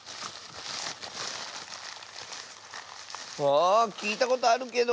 あきいたことあるけど。